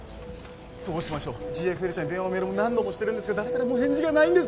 どうしましょうＧＦＬ社に電話もメールも何度もしてるんですけど誰からも返事がないんです